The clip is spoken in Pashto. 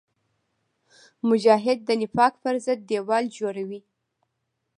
مجاهد د نفاق پر ضد دیوال جوړوي.